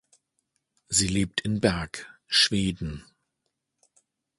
Sie lebt in Berg (Schweden).